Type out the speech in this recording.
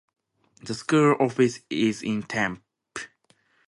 The school office is in Tempe.